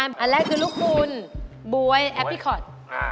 อันแรกคือลูกคุณบ๊วยแอปพลิคอต